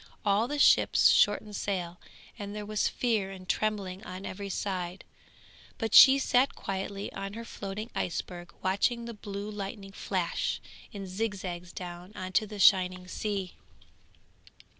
All the ships shortened sail, and there was fear and trembling on every side, but she sat quietly on her floating iceberg watching the blue lightning flash in zigzags down on to the shining sea.